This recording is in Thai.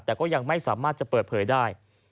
แต่ก็ยังไม่สามารถจะเปิดเผยได้